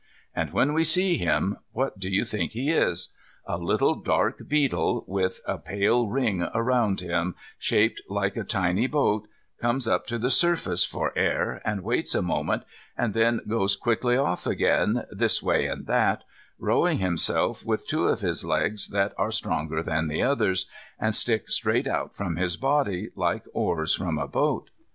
And when we see him, what do you think he is? A little dark beetle with a pale ring round him, shaped like a tiny boat, comes up to the surface for air, and waits a moment, and then goes quickly off again, this way and that, rowing himself with two of his legs that are stronger than the others, and stick straight out from his body, like oars from a boat.